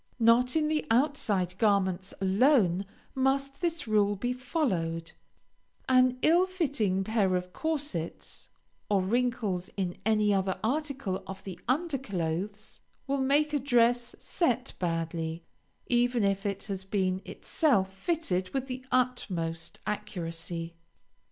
Not in the outside garments alone must this rule be followed, an ill fitting pair of corsets, or wrinkles in any other article of the under clothes, will make a dress set badly, even if it has been itself fitted with the utmost accuracy.